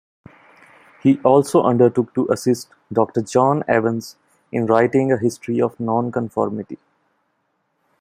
He also undertook to assist Doctor John Evans in writing a history of Nonconformity.